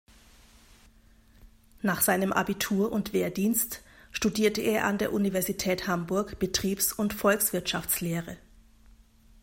Nach seinem Abitur und Wehrdienst studierte er an der Universität Hamburg Betriebs- und Volkswirtschaftslehre.